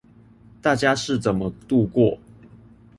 大家是怎麼度過